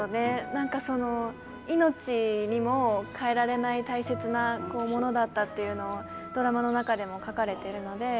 何かその命にも代えられない大切なものだったっていうのをドラマの中でも書かれてるので。